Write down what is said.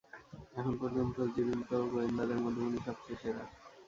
এখন পর্যন্ত জীবিত গোয়েন্দাদের মধ্যে উনিই সবচেয়ে সেরা!